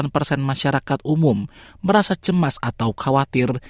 delapan persen masyarakat umum merasa cemas atau khawatir